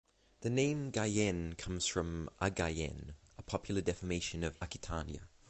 The name "Guyenne" comes from "Aguyenne", a popular deformation of "Aquitania".